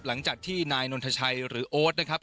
หลังจากที่นายนนทชัยหรือโอ๊ตนะครับ